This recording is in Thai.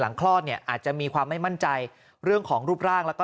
คลอดเนี่ยอาจจะมีความไม่มั่นใจเรื่องของรูปร่างแล้วก็